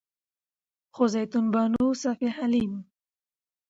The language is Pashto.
خو زيتون بانو، صفيه حليم